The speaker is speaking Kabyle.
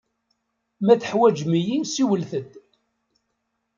Ma teḥwaǧem-iyi, siwlet-d.